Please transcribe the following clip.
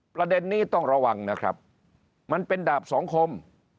ประเด็นนี้ต้องระวังนะครับมันเป็นดาบสองคม